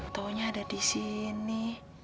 taunya ada disini